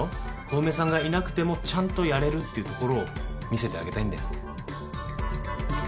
小梅さんがいなくてもちゃんとやれるっていうところを見せてあげたいんだよ。